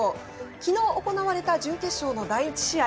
昨日、行われた準決勝の第１試合